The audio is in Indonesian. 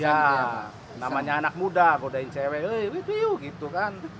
ya namanya anak muda godain cewek gitu kan